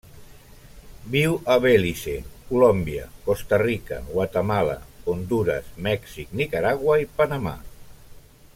Viu a Belize, Colòmbia, Costa Rica, Guatemala, Hondures, Mèxic, Nicaragua i Panamà.